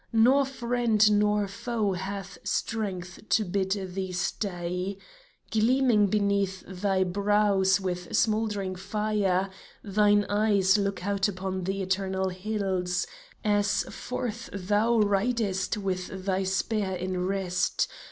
Nor friend nor foe hath strength to bid thee stay. THREE DAYS 259 Gleaming beneath thy brows with smouldering fire Thine eyes look out upon the eternal hills As forth thou ridest with thy spear in rest.